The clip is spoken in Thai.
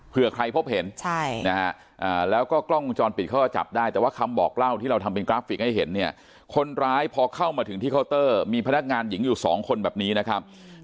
เพื่อใครพบเห็นใช่นะฮะแล้วก็กล้องวงจรปิดเขาก็จับได้แต่ว่าคำบอกเล่าที่เราทำเป็นกราฟิกให้เห็นเนี่ยคนร้ายพอเข้ามาถึงที่เคาน์เตอร์มีพนักงานหญิงอยู่สองคนแบบนี้นะครับ